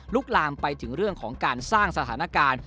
ลามไปถึงเรื่องของการสร้างสถานการณ์